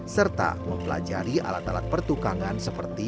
serta mempelajari alat alat pertukangan seperti